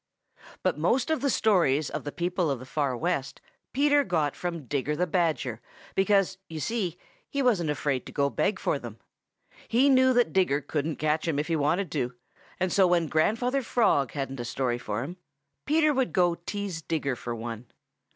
But most of the stories of the people of the Far West Peter got from Digger the Badger because, you see, he wasn't afraid to go beg for them. He knew that Digger couldn't catch him if he wanted to, and so when Grandfather Frog hadn't a story for him, Peter would go tease Digger for one.